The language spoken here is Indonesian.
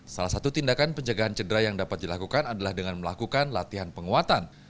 salah satu tindakan penjagaan cedera yang dapat dilakukan adalah dengan melakukan latihan penguatan